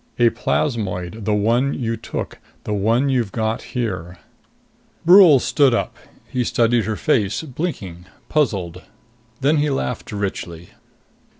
"A plasmoid. The one you took. The one you've got here." Brule stood up. He studied her face, blinking, puzzled. Then he laughed, richly.